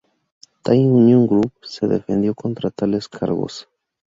Thai Union Group se defendió contra tales cargos.